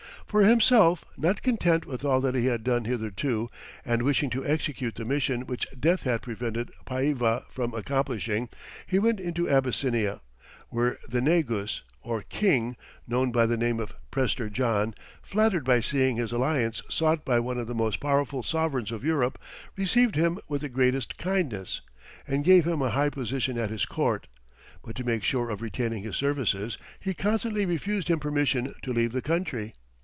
For himself, not content with all that he had done hitherto, and wishing to execute the mission which death had prevented Païva from accomplishing, he went into Abyssinia, where the "negus" or king, known by the name of Prester John, flattered by seeing his alliance sought by one of the most powerful sovereigns of Europe, received him with the greatest kindness, and gave him a high position at his court, but to make sure of retaining his services, he constantly refused him permission to leave the country.